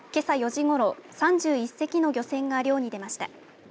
４時ごろ３１隻の漁船が漁に出ました。